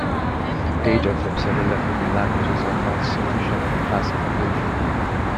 Data for several African languages are not sufficient for classification.